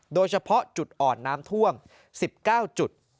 โดยเฉพาะจุดอ่อนน้ำท่วม๑๙จุด